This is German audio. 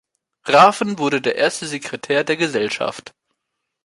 Rafn wurde der erste Sekretär der Gesellschaft.